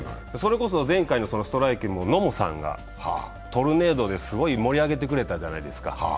それこそ前回のストライキも野茂さんがトルネードですごい盛り上げてくれたじゃないですか。